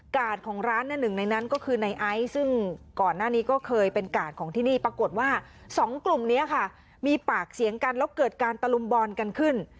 ของร้านหนึ่งในนั้นก็คือในไอซ์ซึ่งก่อนหน้านี้ก็เคยเป็นกาดของที่นี่ปรากฏว่าสองกลุ่มนี้ค่ะมีปากเสียงกันแล้วเกิดการตะลุมบอลกันขึ้น